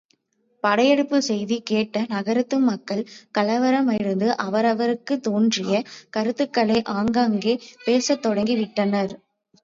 படையெடுப்புச் செய்தி கேட்ட நகரத்து மக்கள் கலவரமடைந்து அவரவர்க்குத் தோன்றிய கருத்துக்களை அங்கங்கே பேசத் தொடங்கி விட்டனர்.